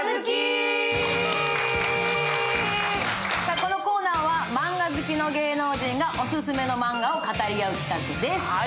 このコーナーはマンガ好きの芸能人が、オススメのマンガを語り合う企画です。